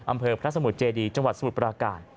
อำเภอพระสมุทรเจดีจังหวัดสมุทรปราการ